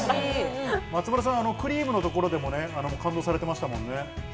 クリームのところでも感動されてましたもんね。